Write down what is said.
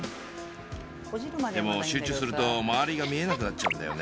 でも集中すると周りが見えなくなっちゃうんだよね。